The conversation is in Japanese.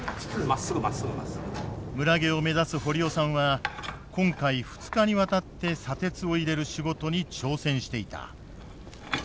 村下を目指す堀尾さんは今回２日にわたって砂鉄を入れる仕事に挑戦していた。